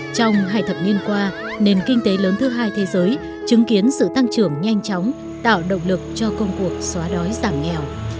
trong hai thập niên qua nền kinh tế lớn thứ hai thế giới chứng kiến sự tăng trưởng nhanh chóng tạo động lực cho công cuộc xóa đói giảm nghèo